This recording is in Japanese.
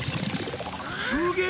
すげえ！